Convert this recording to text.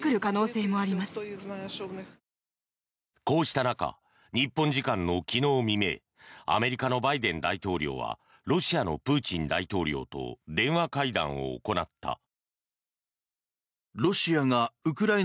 こうした中日本時間の昨日未明アメリカのバイデン大統領はロシアのプーチン大統領と電話会談を行った。